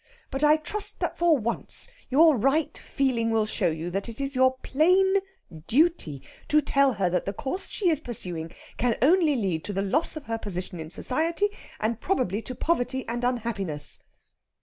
But I trust that for once your right feeling will show you that it is your plain duty to tell her that the course she is pursuing can only lead to the loss of her position in society, and probably to poverty and unhappiness."